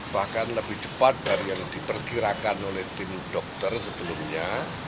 bahkan lebih cepat dari yang diperkirakan oleh tim dokter sebelumnya